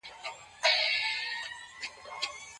ایا د لوی شر د مخنيوي لپاره کوچنی شر غوره دی؟